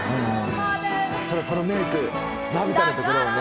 そうこのメイクまぶたのところをね